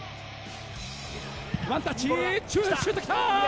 ワンタッチ、シュートきた！